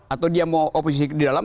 atau dia mau oposisi di dalam